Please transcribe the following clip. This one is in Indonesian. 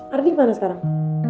ardi mana sekarang